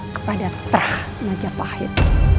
kepada pra naga pahit